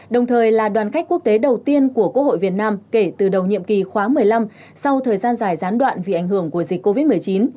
đồng thời là đoàn khách quốc tế đầu tiên của quốc hội việt nam kể từ đầu nhiệm kỳ khóa một mươi năm sau thời gian dài gián đoạn vì ảnh hưởng của dịch covid một mươi chín